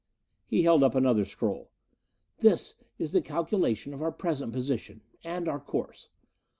He held up another scroll. "This is the calculation of our present position. And our course.